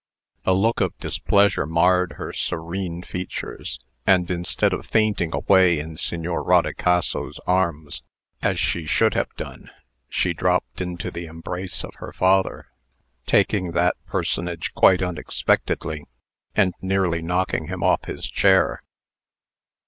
A look of displeasure marred her serene features, and, instead of fainting away in Signor Rodicaso's arms, as she should have done, she dropped into the embrace of her father, taking that personage quite unexpectedly, and nearly knocking him off his chair.